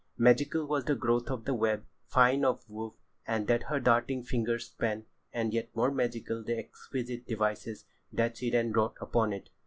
Magical was the growth of the web, fine of woof, that her darting fingers span, and yet more magical the exquisite devices that she then wrought upon it.